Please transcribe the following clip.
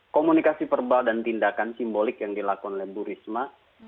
komunikasi verbal dan tindakan simbolik yang dilakukan oleh bu risma